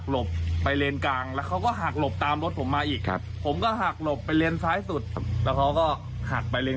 แล้วเราก็เลยไปโดนเสายาง